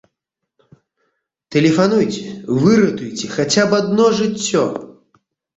Тэлефануйце, выратуйце хаця б адно жыццё!